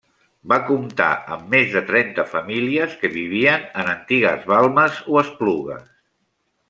Va comptar amb més de trenta famílies que vivien en antigues balmes o esplugues.